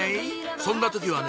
そんな時はね